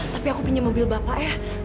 tapi aku punya mobil bapak ya